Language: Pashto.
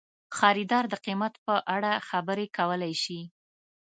خریدار د قیمت په اړه خبرې کولی شي.